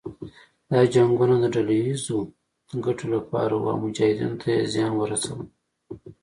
دا جنګونه د ډله ييزو ګټو لپاره وو او مجاهدینو ته يې زیان ورساوه.